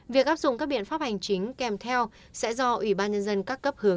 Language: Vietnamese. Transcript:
việc áp dụng các biện pháp hành chính kèm theo sẽ do ủy ban nhân dân các cấp hướng